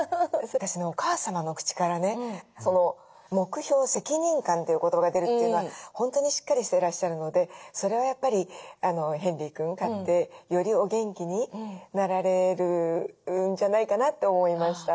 私ねお母様の口からね「目標」「責任感」という言葉が出るというのは本当にしっかりしていらっしゃるのでそれはやっぱりヘンリー君飼ってよりお元気になられるんじゃないかなと思いました。